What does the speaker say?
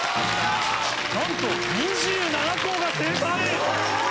なんと２７校が正解！